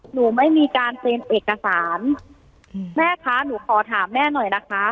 หนูไม่มีการเซ็นเอกสารแม่คะหนูขอถามแม่หน่อยนะคะ